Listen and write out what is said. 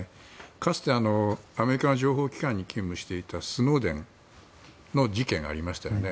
かつてアメリカの情報機関に勤務していたスノーデンの事件がありましたよね。